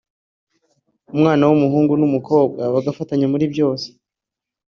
umwana w’umuhungu n’umukobwa bagafatanya muri byose